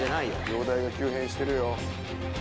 容体が急変してるよ。